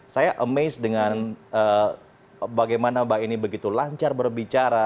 saya amazed dengan bagaimana mbak eni begitu lancar berbicara